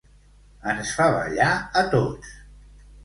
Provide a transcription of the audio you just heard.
Ens fa ballar a tots!